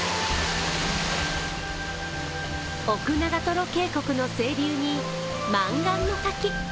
奥長瀞渓谷の清流に満願の滝。